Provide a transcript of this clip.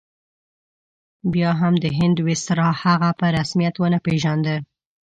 بیا هم د هند ویسرا هغه په رسمیت ونه پېژانده.